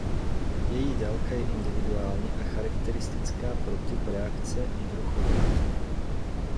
Její délka je individuální a charakteristická pro typ reakce i druh organismu.